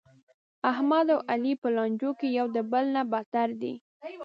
احمد او علي په لانجو کې یو د بل نه بتر دي.